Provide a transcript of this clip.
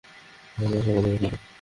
এখানে আস আমাদের সাথে।